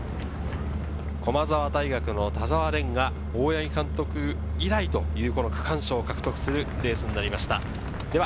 駒澤大学の田澤廉が大八木監督以来という区間賞を獲得するレースとなりました。